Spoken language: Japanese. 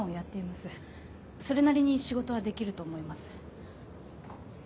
それなりに仕事はできると思います。